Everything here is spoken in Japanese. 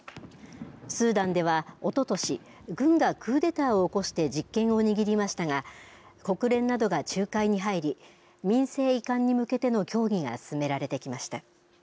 スーダンでは、おととし軍がクーデターを起こして実権を握りましたが国連などが仲介に入り民政移管に向けての協議が進められてきました。